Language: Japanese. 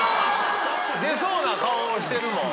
出そうな顔をしてるもん。